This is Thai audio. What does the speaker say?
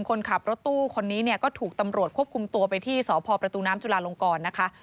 คนขับรถตู้คนนี้เนี่ยก็ถูกตำรวจควบคุมตัวไปที่สพประตูน้ำจุลาลงกรนะคะ